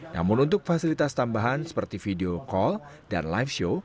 namun untuk fasilitas tambahan seperti video call dan live show